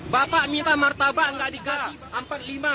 bapak minta martabak nggak dikasih